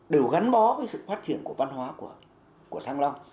đều gắn bó với sự phát triển của văn hóa của thăng long